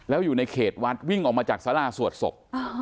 แล้วอยู่ในเขตวัดวิ่งออกมาจากสาราสวดศพ